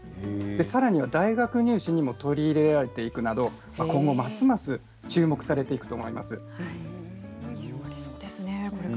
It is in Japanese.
さらには大学入試にも取り入れられていくなど今後ますます広がりそうですね。